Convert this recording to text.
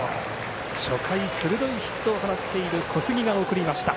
初回、鋭いヒットを放っている小杉が送りました。